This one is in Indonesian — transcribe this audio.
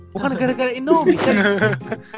bukan gara gara indomie kan